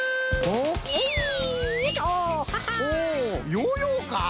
おヨーヨーか！